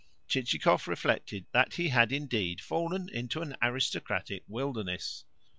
Chichikov reflected that he had indeed fallen into an aristocratic wilderness!